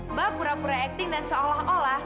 mbak pura pura acting dan seolah olah